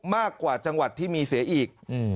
มากกว่าจังหวัดที่มีเสียอีก